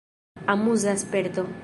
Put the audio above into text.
Amuza sperto.